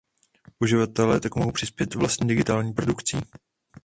Uživatelé tak mohou přispět vlastní digitální produkcí.